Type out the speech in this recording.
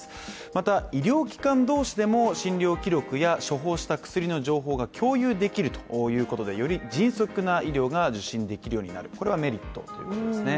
また、医療機関同士でも診療記録や処方した薬の情報が共有できるということでより迅速な医療が受診できるようになる、これがメリットということですね。